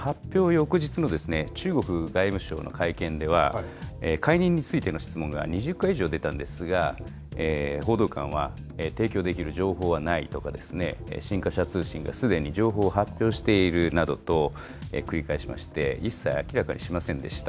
翌日の中国外務省の会見では、解任についての質問が２０回以上出たんですが、報道官は、提供できる情報はないとかですね、新華社通信がすでに情報を発表しているなどと繰り返しまして、一切明らかにしませんでした。